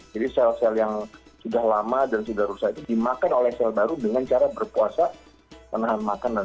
jadi sel sel yang sudah lama dan sudah rusak itu dimakan oleh sel baru dengan cara berpuasa menahan makanan